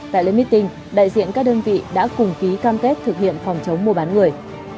tại leeng đại diện các đơn vị đã cùng ký cam kết thực hiện phòng chống mua bán người